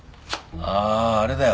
あああれだよ。